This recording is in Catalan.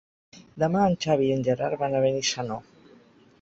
Demà en Xavi i en Gerard van a Benissanó.